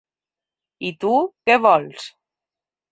I tu, què vols?